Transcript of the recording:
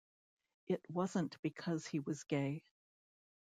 It wasn't because he was gay.